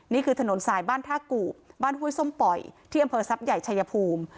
นี่คือถนนสายบ้านท่ากูบบ้านห้วยส้มป่อยที่อำเภอทรัพย์ใหญ่ชายภูมิ